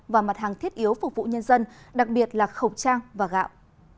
và mặt hàng thiết yếu phục vụ nhân dân đặc biệt là khẩu trang và gạo